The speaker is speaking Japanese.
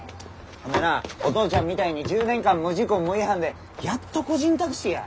そんでなお父ちゃんみたいに１０年間無事故無違反でやっと個人タクシーや。